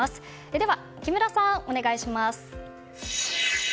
では木村さん、お願いします。